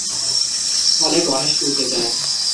ফলে গণেশ উল্টে যায়।